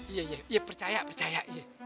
iya iya percaya percaya